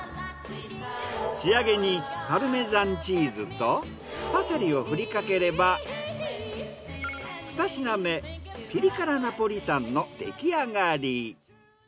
仕上げにパルメザンチーズとパセリをふりかければ２品目ピリ辛ナポリタンの出来上がり。